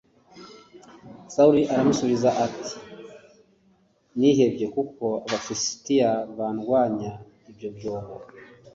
sawuli aramusubiza ati “nihebye kuko abafilisitiya bandwanya ubyobyabo